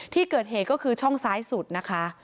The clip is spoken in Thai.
ที่เกิดเหตุก็คือช่องซ้ายสุดนะคะ